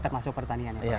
termasuk pertanian ya pak